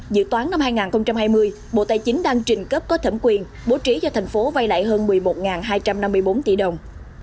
dự toán năm hai nghìn hai mươi bộ tài chính đang trình cấp có thẩm quyền bố trí cho thành phố vay lại hơn một mươi một hai trăm năm mươi bốn tỷ đồng